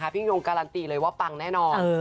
พี่ยงการันตีเลยว่าปังแน่นอน